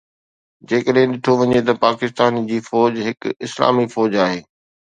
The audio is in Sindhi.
جيڪڏهن ڏٺو وڃي ته پاڪستان جي فوج هڪ اسلامي فوج آهي